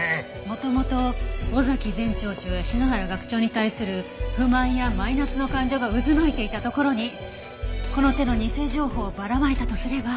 元々尾崎前町長や篠原学長に対する不満やマイナスの感情が渦巻いていたところにこの手の偽情報をばらまいたとすれば。